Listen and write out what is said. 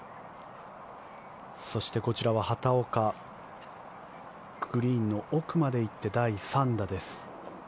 そして、こちらは畑岡グリーンの奥まで行って第３打です。